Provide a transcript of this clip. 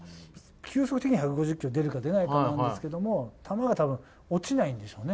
球速的には１５０キロ出るか出ないかなんですけれども、球がたぶん落ちないんですよね。